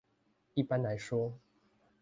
一般來說